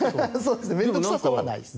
面倒くさくはないですね。